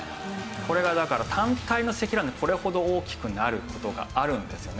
これがだから単体の積乱雲がこれほど大きくなる事があるんですよね。